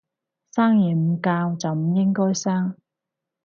生完唔教就唔應該生